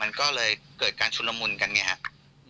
มันก็เลยเกิดการชุนละมุนกันไงครับ